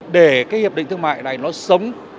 để cái hiệp định thương mại này nó sống